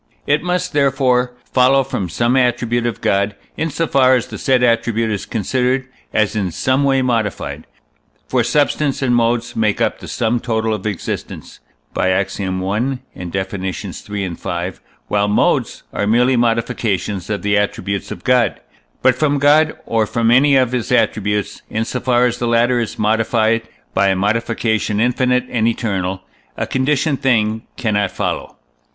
It must, therefore, follow from some attribute of God, in so far as the said attribute is considered as in some way modified; for substance and modes make up the sum total of existence (by Ax. i. and Def. iii., v.), while modes are merely modifications of the attributes of God. But from God, or from any of his attributes, in so far as the latter is modified by a modification infinite and eternal, a conditioned thing cannot follow.